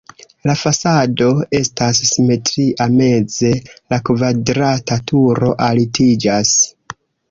La fasado estas simetria, meze la kvadrata turo altiĝas.